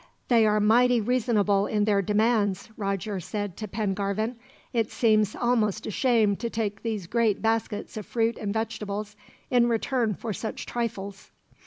"They are mighty reasonable in their demands," Roger said to Pengarvan. "It seems almost a shame to take these great baskets of fruit and vegetables, in return for such trifles."